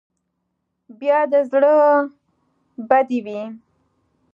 بیا دې زړه بدې وي.